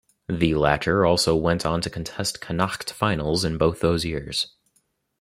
The latter also went on to contest Connacht finals in both those years.